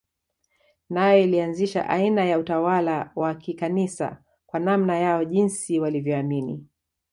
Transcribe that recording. Nayo ilianzisha aina ya utawala wa Kikanisa kwa namna yao jinsi walivyoamini